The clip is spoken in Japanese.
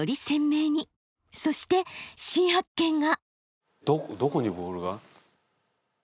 そして新発見が！